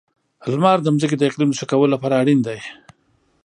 • لمر د ځمکې د اقلیم د ښه کولو لپاره اړینه ده.